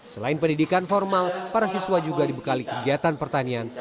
selain pendidikan formal para siswa juga dibekali kegiatan pertanian